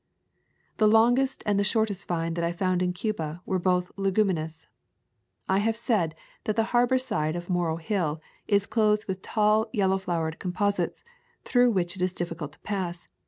The longest and the shortest vine that I found in Cuba were both leguminous. I have said that the harbor side of the Morro Hill is clothed with tall yellow flowered composites through which it is difficult to pass.